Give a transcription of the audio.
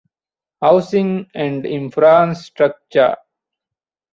ހައުސިންގ އެންޑް އިންފްރާންސްޓްރަކްޗަރ